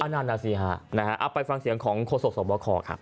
อันนั้นอ่ะสิฮะไปฟังเสียงของโคศกสมบัติคอร์ครับ